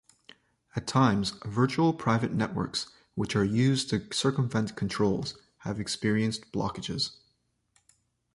At times, Virtual Private Networks, which are used to circumvent controls, have experienced blockages.